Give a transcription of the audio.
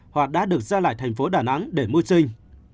họ đã được ra lại thành phố đà nẵng để mua trinh